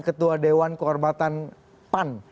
ketua dewan kehormatan pan